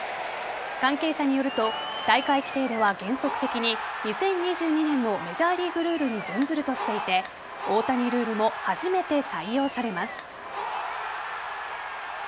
関係者によると大会規定では原則的に２０２２年のメジャーリーグルールに準ずるとしていて大谷ルールも初めて採用されます。